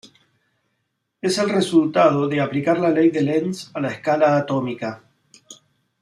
Es el resultado de aplicar la ley de Lenz a la escala atómica.